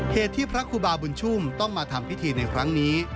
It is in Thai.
เหตุที่พระครูบาบุญชุ่มต้องมาทำพิธีในครั้งนี้